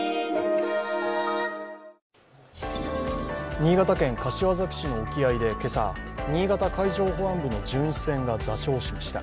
新潟県柏崎市の沖合で今朝新潟海上保安部の巡視船が座礁しました。